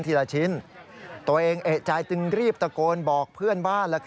ตัวเองเอะจายตึงรีบตะโกนบอกเพื่อนบ้าน